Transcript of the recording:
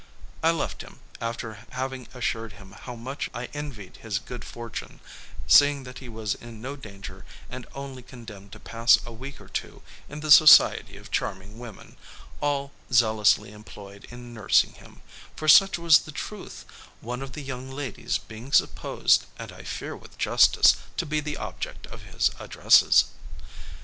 I left him, after having assured him how much I envied his good fortune; seeing that he was in no danger, and only condemned to pass a week or two in the society of charming women, all zealously employed in nursing him for such was the truth one of the young ladies being supposed, and I fear with justice, to be the object of his addresses.